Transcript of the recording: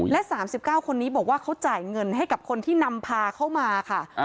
และ๓๙คนนี้บอกว่าเขาจ่ายเงินให้กับคนที่นำพาเข้ามาค่ะ